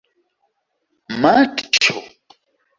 matĉo